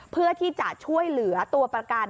เพื่อที่จะช่วยเหลือตัวประกัน